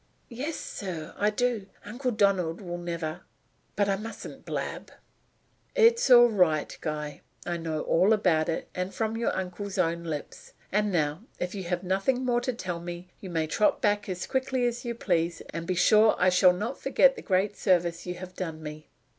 "Yes, sir, I do. Uncle Donald will never But I mustn't blab." "It's all right, Guy. I know all about it, and from your uncle's own lips. And now if you have nothing more to tell me you may trot back as quickly as you please; and be sure I shall not forget the great service you have done me."